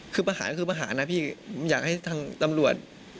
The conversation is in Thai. คือประหารคือประหารนะพี่อยากให้ทางตำรวจ